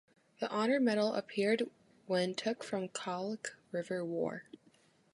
The honor medal appeared when took from Khalkh river war.